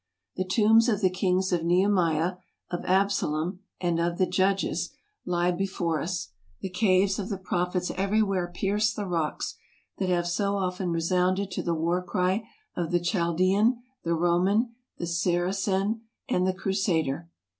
The Tombs of the Kings of Nehemiah, of Absalom, and of the Judges, lie before us; the caves of the Prophets everywhere pierce the rocks, that have so often resounded to the war cry of the Chaldean, the Roman, the Saracen, and the Crusader.